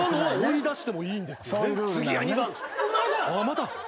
また。